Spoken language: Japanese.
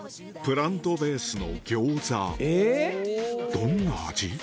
どんな味？